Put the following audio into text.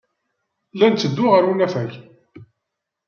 La netteddu ɣer unafag.